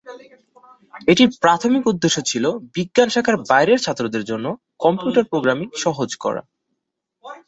এটির প্রাথমিক উদ্দেশ্য ছিল বিজ্ঞান শাখার বাইরের ছাত্রদের জন্য কম্পিউটার প্রোগ্রামিং সহজ করা।